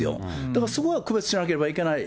だからそこは区別しなければいけない。